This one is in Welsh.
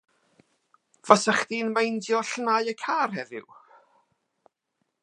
Fysach chdi'n meindio llnau y car heddiw?